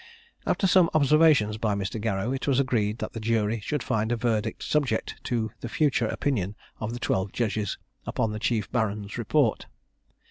After some observations by Mr. Garrow, it was agreed that the jury should find a verdict subject to the future opinion of the twelve judges upon the chief baron's report.